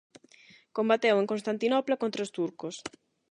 Combateu en Constantinopla contra os turcos.